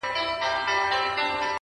کليوال خلک د موضوع په اړه ډيري خبري کوي